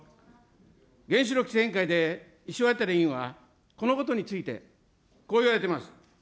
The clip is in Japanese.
原子力規制委員会で石渡委員は、このことについて、こう言われています。